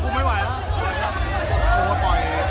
ส่วนใหญ่เลยครับ